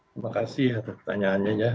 terima kasih atas pertanyaannya